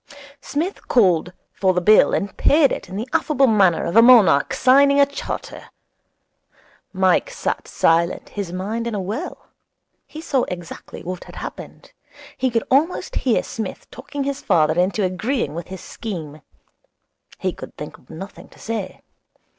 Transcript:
Psmith called for the bill and paid it in the affable manner of a monarch signing a charter. Mike sat silent, his mind in a whirl. He saw exactly what had happened. He could almost hear Psmith talking his father into agreeing with his scheme. He could think of nothing to say.